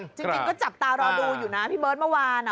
จริงก็จับตารอดูอยู่นะพี่เบิร์ตเมื่อวาน